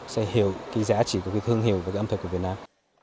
sẽ hiểu giá trị của thương hiệu và ấm thực của việt nam